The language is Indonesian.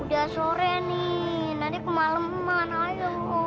udah sore nih nanti kemaleman ayo